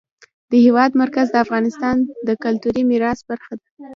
د هېواد مرکز د افغانستان د کلتوري میراث برخه ده.